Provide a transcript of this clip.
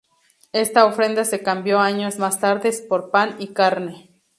Esta ofrenda se cambió años más tarde por pan y carne.